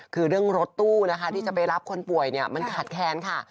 คือเรื่องรถตู้นะคะที่จะไปรับคนป่วยเนี่ยมันขาดแค้นค่ะ